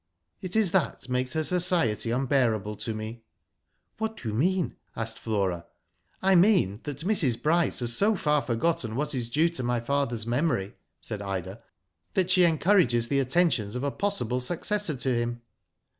It is that makes her society unbearable to me." " What do you mean ?" asked Flora. " I mean, that Mrs. Bryce has so far forgotten what is due to my father's memory, " said Ida, that she encourages the attentions of a possible successor to him."